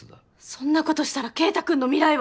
そんなことしたら慧太くんの未来は。